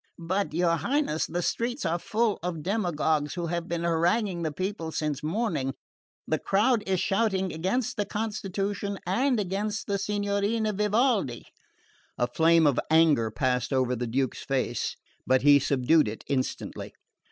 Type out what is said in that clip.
"But, your Highness, the streets are full of demagogues who have been haranguing the people since morning. The crowd is shouting against the constitution and against the Signorina Vivaldi." A flame of anger passed over the Duke's face; but he subdued it instantly.